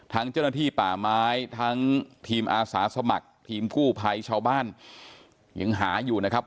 เจ้าหน้าที่ป่าไม้ทั้งทีมอาสาสมัครทีมกู้ภัยชาวบ้านยังหาอยู่นะครับ